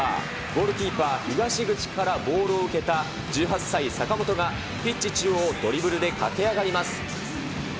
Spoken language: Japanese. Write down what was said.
ゴールキーパー、ひがしぐちからボールを受けた１８歳、さかもとがピッチ中央をドリブルで駆け上がります。